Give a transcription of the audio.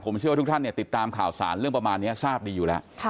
ผมเชื่อว่าทุกท่านติดตามข่าวสารเรื่องประมาณนี้ทราบดีอยู่แล้ว